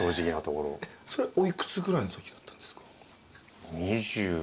それお幾つぐらいのときだったんですか？